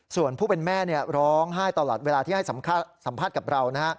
ส่วนผู้เป็นแม่ร้องไห้ตลอดเวลาที่ให้สัมภาษณ์กับเรา